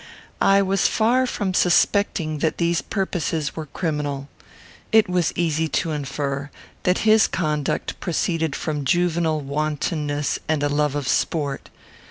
I was far from suspecting that these purposes were criminal. It was easy to infer that his conduct proceeded from juvenile wantonness and a love of sport.